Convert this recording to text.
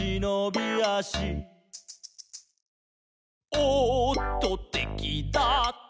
「おっとてきだ」